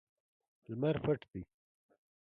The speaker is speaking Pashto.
لمر پټ دی